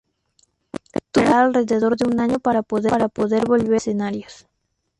Tuvo que esperar alrededor de un año para poder volver a los escenarios.